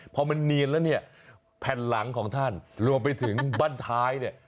พอมันเนียนแล้วเนี่ยแผ่นหลังของท่านรวมไปถึงบ้านท้ายเนี่ย